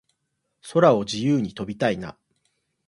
空を自由に飛びたいな